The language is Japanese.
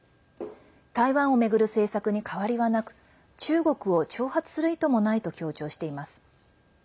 台湾を巡る政策に変わりはなく中国を挑発する意図もないと強調しています。